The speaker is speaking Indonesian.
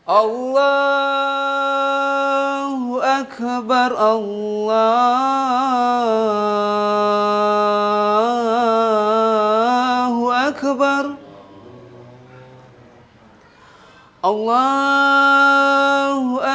allahu akbar allahu akbar